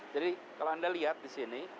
jadi kalau anda lihat di sini